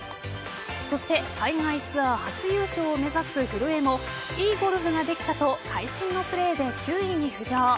そして海外ツアー初優勝を目指す古江もいいゴルフができたと会心のプレーで９位に浮上。